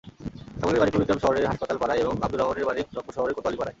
শ্যামলের বাড়ি কুড়িগ্রাম শহরের হাসপাতালপাড়ায় এবং আবদুর রহমানের বাড়ি রংপুর শহরের কোতোয়ালিপাড়ায়।